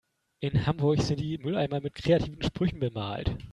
In Hamburg sind die Mülleimer mit kreativen Sprüchen bemalt.